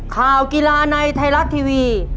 ข่าวกีฬาในไทรลักษณ์ทีวี